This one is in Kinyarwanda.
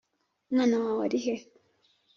Umwana wawe arihe?